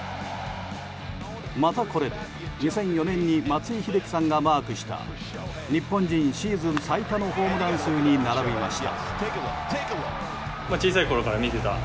またこれで２００４年に松井秀喜さんがマークした日本人シーズン最多のホームラン数に並びました。